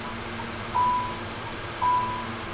تېر وخت هېر کړئ او نن کي ژوند وکړئ.